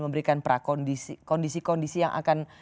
memberikan prakondisi kondisi kondisi yang akan